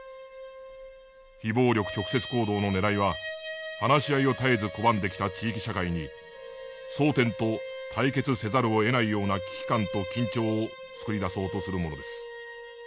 非暴力直接行動のねらいは話し合いを絶えず拒んできた地域社会に争点と対決せざるをえないような危機感と緊張を作り出そうとするものです。